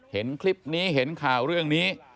เห็นคลิปนี้เห็นข่าวเรื่องนี้